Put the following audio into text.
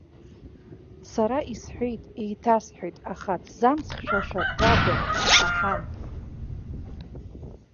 Сара исҳәеит, еиҭасҳәеит, аха аҭӡамц хьшәашәа дагәан, иҿаҳан.